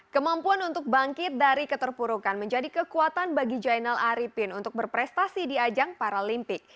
kemampuan untuk bangkit dari keterpurukan menjadi kekuatan bagi jainal arifin untuk berprestasi di ajang paralimpik